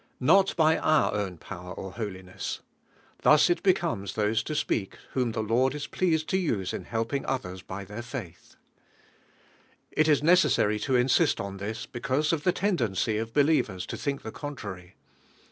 "Not by our own power or holi ness." Tims it becomes those to speak whom the Lord is pleased to use in help, ing others by their faith. It is necessary to insist on this because of the tendency of beiievers to think the contrary.